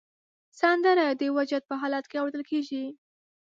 سندره د وجد په حالت کې اورېدل کېږي